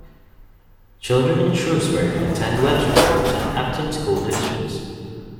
Children in Shrewsbury attend Webster Groves and Affton school districts.